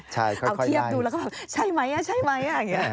เอาเทียบดูแล้วแบบใช่ไหมใช่ไหม